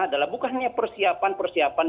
adalah bukan hanya persiapan persiapan